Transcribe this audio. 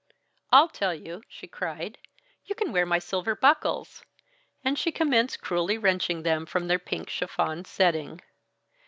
"I'll tell you!" she cried, "you can wear my silver buckles." And she commenced cruelly wrenching them from their pink chiffon setting.